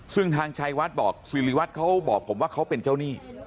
ซึ่งทางชัยวัดบอกสิริวัตรเขาบอกผมว่าเขาเป็นเจ้าหนี้